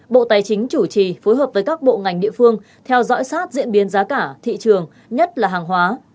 bộ tài chính chủ trì phối hợp với các bộ ngành địa phương theo dõi sát diễn biến giá cả thị trường nhất là hàng hóa